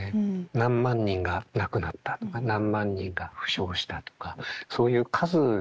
何万人が亡くなったとか何万人が負傷したとかそういう数でね